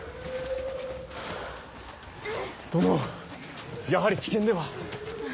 殿やはり危険では？